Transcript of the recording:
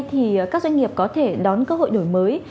thì các doanh nghiệp có thể đón cơ hội đổi mới